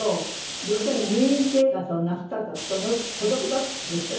でもとにかく入院生活をなすった孤独だったんですって？